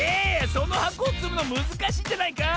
そのはこをつむのむずかしいんじゃないか？